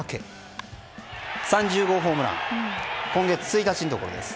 ３０号ホームラン今月１日のことです。